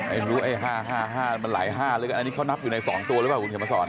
ไอ้ห้ามันหลายห้านี่เขานับอยู่ใน๒ตัวหรือเปล่าคุณเขามาสอน